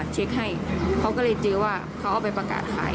เช็คให้เขาก็เลยเจอว่าเขาเอาไปประกาศขาย